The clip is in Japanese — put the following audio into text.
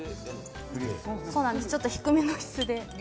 ちょっと低めの椅子で。